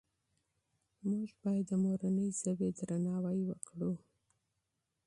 موږ باید د مورنۍ ژبې درناوی وکړو.